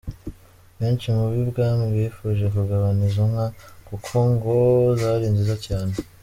Benshi mu b’i bwami bifuje kugabana izo nka kuko ngo zari nziza cyane.